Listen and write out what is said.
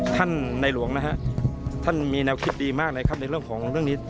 ท่านในหลวงมีแนวคิดดีมากในเรื่องของเรื่องนี้